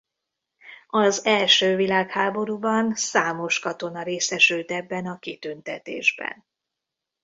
Az első világháborúban számos katona részesült ebben a kitüntetésben.